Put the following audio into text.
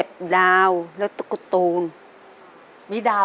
ขอบคุณค่ะ